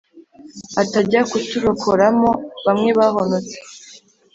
atajya kuturokoramo bamwe bahonotse,